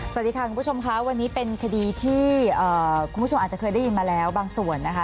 สวัสดีค่ะคุณผู้ชมค่ะวันนี้เป็นคดีที่คุณผู้ชมอาจจะเคยได้ยินมาแล้วบางส่วนนะคะ